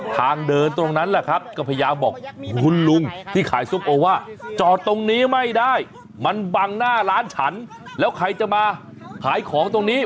เพราะว่าจอดตรงนี้ไม่ได้มันบังหน้าร้านฉันแล้วใครจะมาขายของตรงนี้